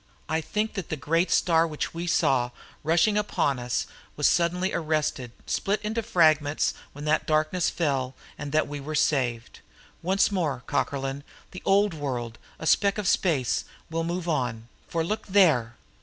I think that the great star which we saw, rushing upon us, was suddenly arrested, split into fragments, when that darkness fell, and that we were saved. Once more, Cockerlyne, the old world, a speck in space, will move on. For look there!"